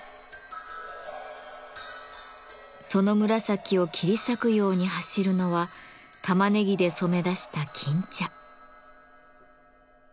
その紫を切り裂くように走るのはたまねぎで染め出した金茶。